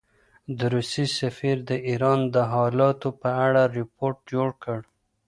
د روسیې سفیر د ایران د حالاتو په اړه رپوټ جوړ کړ.